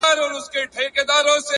هره ستونزه د بدلون اړتیا ښيي!